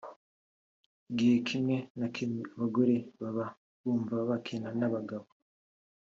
Igihe kimwe na kimwe abagore baba bumva bakina n’abagabo